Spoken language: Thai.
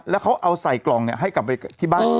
แล้วเขาเอาใส่กล่องให้กลับไปที่บ้าน